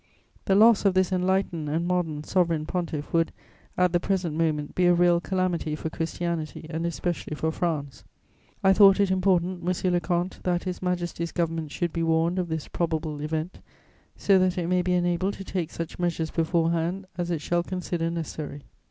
The loss of this enlightened and modern Sovereign Pontiff would, at the present moment, be a real calamity for Christianity and especially for France. I thought it important, monsieur le comte, that His Majesty's Government should be warned of this probable event, so that it may be enabled to take such measures beforehand as it shall consider necessary.